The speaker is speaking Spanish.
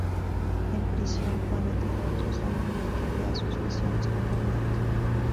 En prisión, Juana tiene otro sueño en el que ve a sus visiones nuevamente.